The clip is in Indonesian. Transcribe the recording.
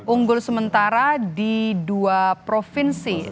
unggul sementara di dua provinsi